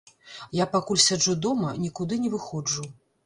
Я пакуль сяджу дома, нікуды не выходжу.